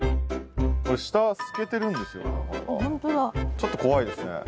ちょっと怖いですね。